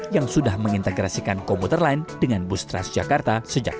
yang sudah mengintegrasikan komputer lain dengan bus tras jakarta sejak dua ribu tujuh belas